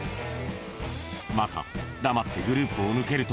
［また黙ってグループを抜けると］